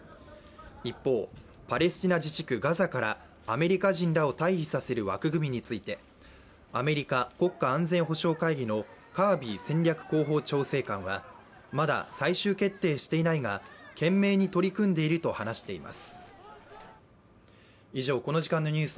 一方パレスチナ自治区ガザからアメリカ人らを退避させる枠組みについてアメリカ国家安全保障会議のカービー戦略広報調整官はまだ最終決定していないが、懸命に取り組んでいると話しています。